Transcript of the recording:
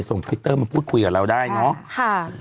ทวิตเตอร์มาพูดคุยกับเราได้เนาะ